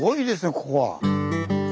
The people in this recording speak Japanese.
ここは。